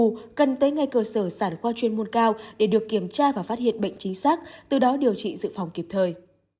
u cần tới ngay cơ sở sản khoa chuyên môn cao để được kiểm tra và phát hiện bệnh chính xác từ đó điều trị dự phòng kịp thời